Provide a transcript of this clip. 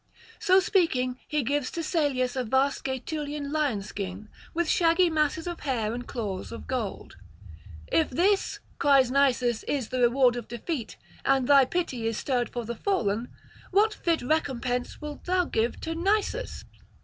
So speaking, he gives to Salius a vast Gaetulian lion skin, with shaggy masses of hair and claws of gold. 'If this,' cries Nisus, 'is the reward of defeat, and thy pity is stirred for the fallen, what fit recompense wilt thou give to Nisus?